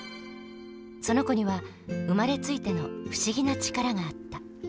その子には生まれついての不思議な力があった。